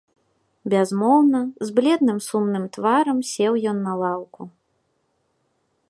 Бязмоўна, з бледным сумным тварам сеў ён на лаўку.